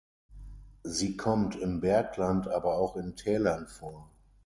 Sie kommt im Bergland, aber auch in Tälern vor.